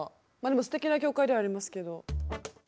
でもすてきな教会ではありますけど。